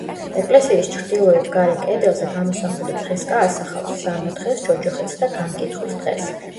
ეკლესიის ჩრდილოეთ გარე კედელზე გამოსახული ფრესკა ასახავს: სამოთხეს, ჯოჯოხეთს და განკითხვის დღეს.